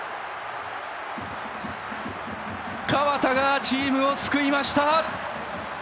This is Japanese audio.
河田がチームを救いました！